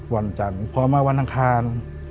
วันจันทร์พอมาวันอังคาร